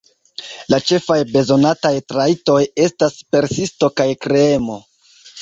La ĉefaj bezonataj trajtoj estas persisto kaj kreemo.